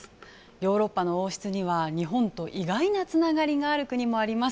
ヨーロッパの王室には日本と意外なつながりがある国もあります。